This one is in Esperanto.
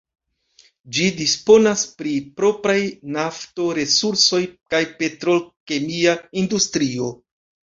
Ĝi disponas pri propraj nafto-resursoj kaj petrol-kemia industrio.